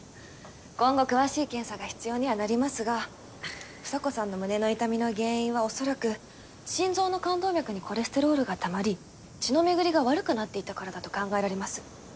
今後詳しい検査が必要にはなりますが房子さんの胸の痛みの原因はおそらく心臓の冠動脈にコレステロールがたまり血の巡りが悪くなっていたからだと考えられます。